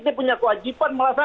dia punya kewajiban